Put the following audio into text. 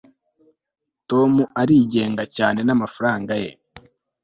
tom arigenga cyane namafaranga ye